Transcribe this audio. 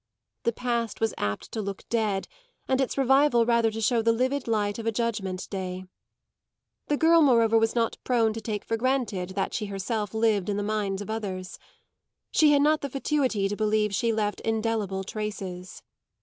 The past was apt to look dead and its revival rather to show the livid light of a judgement day. The girl moreover was not prone to take for granted that she herself lived in the mind of others she had not the fatuity to believe she left indelible traces.